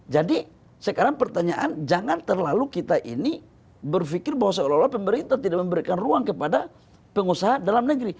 jadi sekarang pertanyaan jangan terlalu kita ini berpikir bahwa seolah olah pemerintah tidak memberikan ruang kepada pengusaha dalam negeri